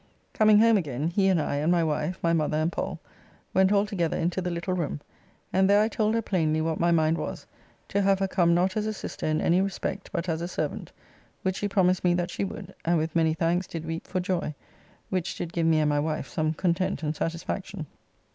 Coming home again, he and I, and my wife, my mother and Pall, went all together into the little room, and there I told her plainly what my mind was, to have her come not as a sister in any respect, but as a servant, which she promised me that she would, and with many thanks did weep for joy, which did give me and my wife some content and satisfaction.